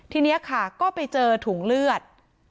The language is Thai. ทีนี้ค่ะก็ไปเจอถุงเลือด